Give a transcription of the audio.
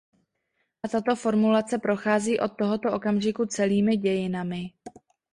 A tato formulace prochází od tohoto okamžiku celými dějinami.